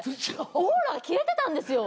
オーラが消えてたんですよ。